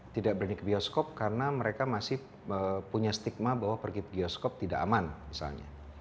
tidak berani ke bioskop karena mereka masih punya stigma bahwa pergi ke bioskop tidak aman misalnya